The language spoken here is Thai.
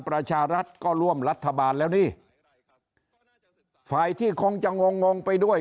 ประชารัฐก็ร่วมรัฐบาลแล้วนี่ฝ่ายที่คงจะงงงงไปด้วย